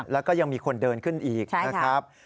แล้วก็ยังมีคนเดินขึ้นอีกนะครับ